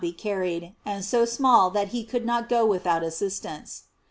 * I 550 GLOBIES OF carried, and so small that he could not go with out assistance.